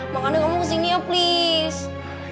mau kandung kamu kesini ya please